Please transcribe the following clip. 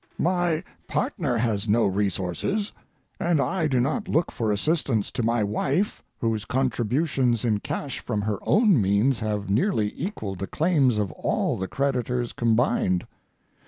My partner has no resources, and I do not look for assistance to my wife, whose contributions in cash from her own means have nearly equalled the claims of all the creditors combined.